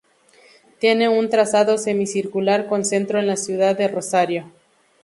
Tiene un trazado semicircular con centro en la ciudad de Rosario.